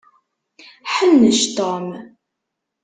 Ḥennec Tom.